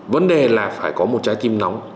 vấn đề là phải có một trái tim nóng